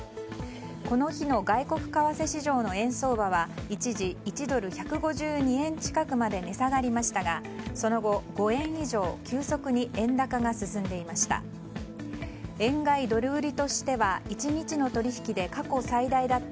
この日の外国為替市場の円相場は一時１ドル＝１５２円まで値下がりましたがその後、５円以上急速に円高が進んでいました。